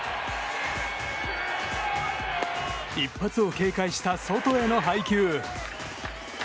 一発を警戒した外への配球。